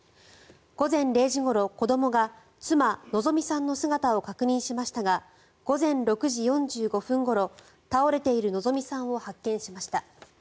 午前０時ごろ、子どもが妻・希美さんの姿を確認しましたが午前６時４５分ごろ倒れている希美さんを発見しました。